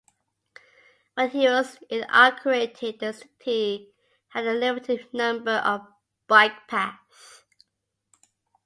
When he was inaugurated, the city had a limited number of bike paths.